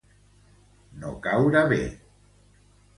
No caure bé.